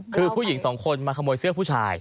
คือผู้หญิงสองคนมาขโมยเสื้อผู้ชาย